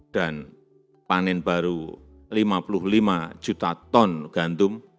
dan panen baru lima puluh lima juta ton gandum